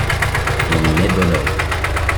On y met bon ordre.